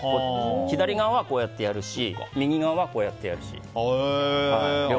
左側はこうやってやるし右側はこうやってやるし。